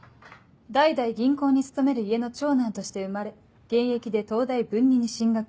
代々銀行に勤める家の長男として生まれ現役で東大文に進学。